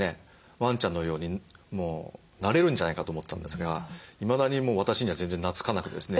ワンちゃんのようにもうなれるんじゃないかと思ったんですがいまだに私には全然なつかなくてですね